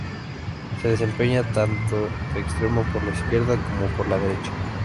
Se desempeña tanto de extremo por la izquierda como por la derecha.